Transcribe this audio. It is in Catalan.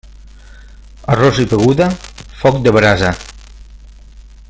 Arròs i beguda, foc de brasa.